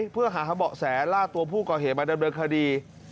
เพื่อหาเบาะแสล่าตัวผู้ก่อเหตุมาดำเนินคดี